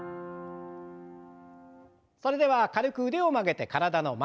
それでは軽く腕を曲げて体の前。